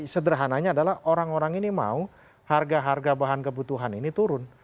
sederhananya adalah orang orang ini mau harga harga bahan kebutuhan ini turun